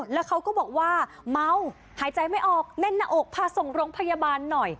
แล้วเขาก็บอกว่าเมาหายใจไม่ออกแน่นหน้าอกพาส่งโรงพยาบาลหน่อย